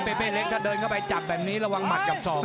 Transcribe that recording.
เป็นเป้เล็กถ้าเดินเข้าไปจับแบบนี้ระวังหมัดกับศอก